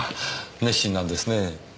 熱心なんですねぇ。